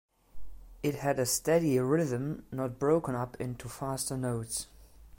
It had a steady rhythm, not broken up into faster notes.